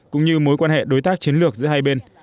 cũng như mối quan hệ đối tác chiến lược giữa hai bên